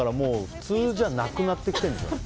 普通じゃなくなってきてるんでしょうね。